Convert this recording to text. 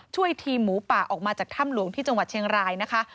ทีมหมูป่าออกมาจากถ้ำหลวงที่จังหวัดเชียงรายนะคะ